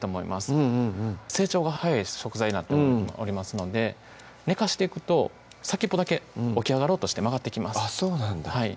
うんうんうん成長が早い食材になっておりますので寝かしていくと先っぽだけ起き上がろうとして曲がってきますそうなんだ